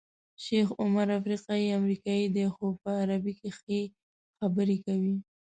شیخ عمر افریقایی امریکایی دی خو په عربي کې ښې خبرې کوي.